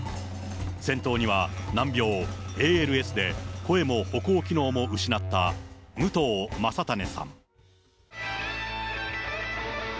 先頭には難病、ＡＬＳで声も歩行機能も失った武藤まさたねさん。